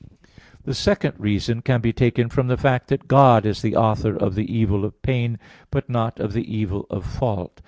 The second reason can be taken from the fact that God is the author of the evil of pain, but not of the evil of fault.